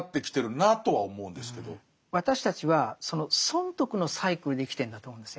私たちは損得のサイクルで生きてるんだと思うんです